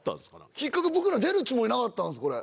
僕ら出るつもりなかったんですこれ。